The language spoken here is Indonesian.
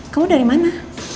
kamu dari mana